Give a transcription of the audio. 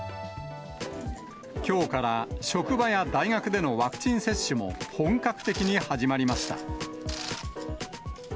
きょうから職場や大学でのワクチン接種も本格的に始まりました。